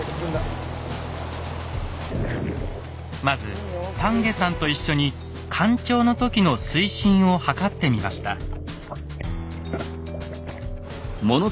まず田家さんと一緒に干潮の時の水深を測ってみました。